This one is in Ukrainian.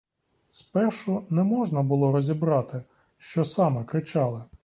Спершу не можна було розібрати, що саме кричали.